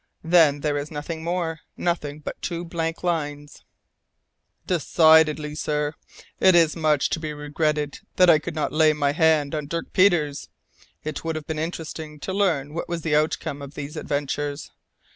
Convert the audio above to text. Then there is nothing more; nothing but two blank lines " "Decidedly, sir, it is much to be regretted that I could not lay my hand on Dirk Peters! It would have been interesting to learn what was the outcome of these adventures.